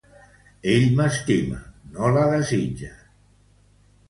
Ell m'estima, no la desitja.